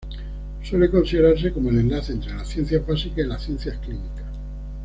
Suele considerarse como el enlace entre las ciencias básicas y las ciencias clínicas.